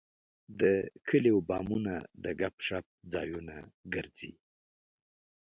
د کلیو بامونه د ګپ شپ ځایونه ګرځي.